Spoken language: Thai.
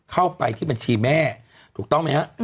เข้าไปที่บัญชีแม่ถูกต้องไหมฮะ